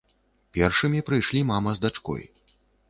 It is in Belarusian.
Першымі прыйшлі мама з дачкой.